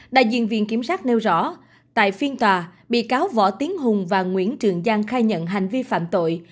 đại diện viện kiểm sát nêu rõ tại phiên tòa bị cáo võ tiến hùng và nguyễn trường giang khai nhận hành vi phạm tội